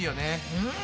うん。